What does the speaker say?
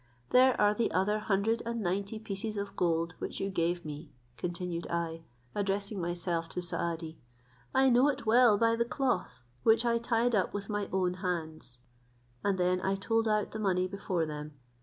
There are the other hundred and ninety pieces of gold which you gave me," continued I, addressing myself to Saadi; "I know it well by the cloth, which I tied up with my own hands;" and then I told out the money before them.